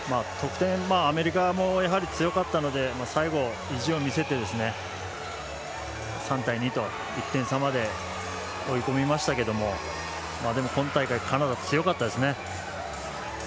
アメリカもやはり強かったので最後、意地を見せて、３対２と１点差まで追い込みましたけどでも、今大会カナダは強かったですね。